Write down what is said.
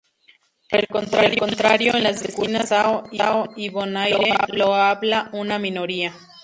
Por el contrario, en las vecinas Curazao y Bonaire lo habla una minoría.